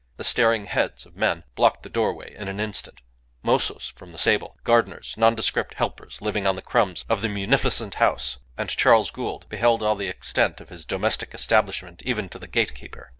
The staring heads of men blocked the doorway in an instant mozos from the stable, gardeners, nondescript helpers living on the crumbs of the munificent house and Charles Gould beheld all the extent of his domestic establishment, even to the gatekeeper.